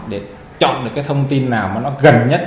để chọn được cái thông tin nào mà nó gần nhất